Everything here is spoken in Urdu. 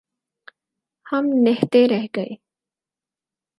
ہم نہتے رہ گئے۔